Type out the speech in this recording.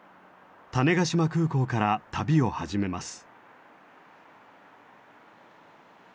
種子島空港から旅を始めます。